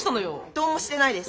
どうもしてないです。